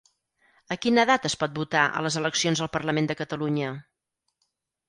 A quina edat es pot votar a les eleccions al Parlament de Catalunya?